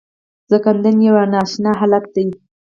ځنکدن یو نا اشنا حالت دی .